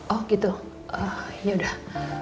oh gitu ya udah